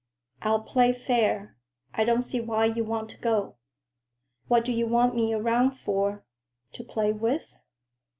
"I'll play fair. I don't see why you want to go." "What do you want me around for?—to play with?"